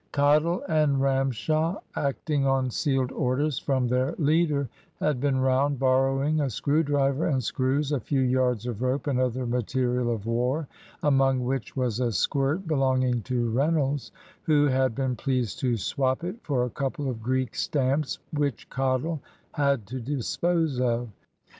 Cottle and Ramshaw, acting on sealed orders from their leader, had been round borrowing a screw driver and screws, a few yards of rope, and other material of war, among which was a squirt belonging to Reynolds, who had been pleased to "swap" it for a couple of Greek stamps which Cottle had to dispose of.